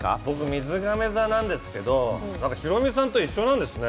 みずがめ座なんですけれども、ヒロミさんと一緒なんですね。